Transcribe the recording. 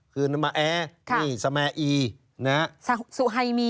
คือมแอร์นี่สมายนะครับ